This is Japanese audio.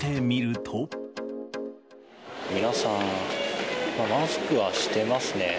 皆さん、マスクはしてますね。